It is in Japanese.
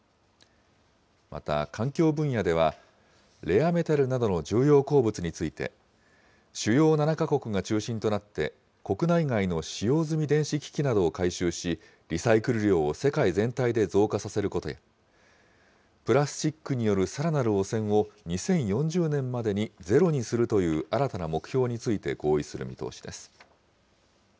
また、環境分野では、レアメタルなどの重要鉱物について、主要７か国が中心となって国内外の使用済み電子機器などを回収し、リサイクル量を世界全体で増加させることや、プラスチックによるさらなる汚染を、２０４０年までにゼロにするという新たな目標について合意する見通しです。